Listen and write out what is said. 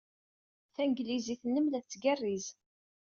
Tanglizit-nnem la tettgerriz.